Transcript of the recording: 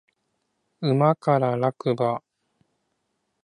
馬から落馬